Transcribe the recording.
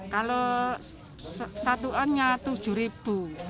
kalau satuannya rp tujuh